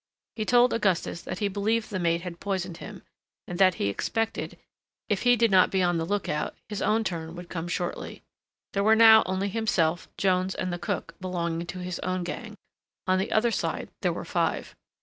He told Augustus that he believed the mate had poisoned him, and that he expected, if he did not be on the look out, his own turn would come shortly. There were now only himself, Jones, and the cook belonging to his own gang—on the other side there were five.